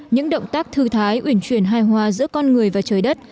những động tác thư thái uyển chuyển hai hoa giữa con người và trời đất